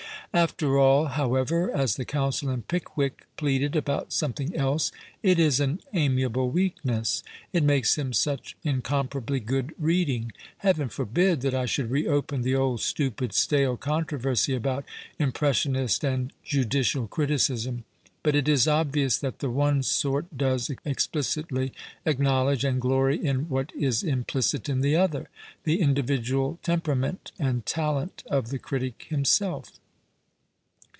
After all, however (as the counsel in " Pickwick " pleaded about something else), it is an amiable weakness ; it makes him such incomparably good reading ! Heaven forbid that I should reopen the old stupid, stale controversy about " impressionist " and " judicial " criticism ; but it is obvious that the one sort does explicitly acknowledge and glory in what is implicit in the other — the individual tem perament and talent of the critic himself.